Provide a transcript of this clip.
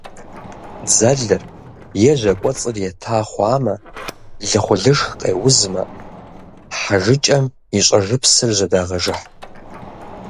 Дзэлыр е жьэ кӏуэцӏыр ета хъуамэ, лыхъулышх къеузмэ, хьэжыкӏэм и щӏэжыпсыр жьэдагъэжыхь.